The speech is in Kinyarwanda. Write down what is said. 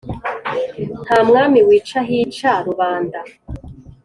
Nta mwami wica, hica rubanda.